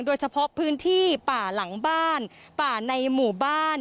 โดยเฉพาะพื้นที่ป่าหลังบ้านป่าในหมู่บ้าน